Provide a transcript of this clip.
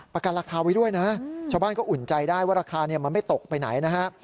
ประกันราคาไว้ด้วยนะชาวบ้านก็อุ่นใจได้ว่าราคามันไม่ตกไปไหนนะฮะ